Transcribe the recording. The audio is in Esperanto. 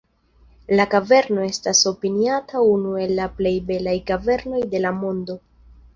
La kaverno estas opiniata unu el la plej belaj kavernoj de la mondo.